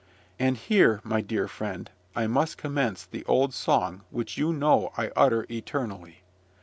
And here, my dear friend, I must commence the old song which you know I utter eternally.